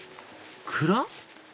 蔵？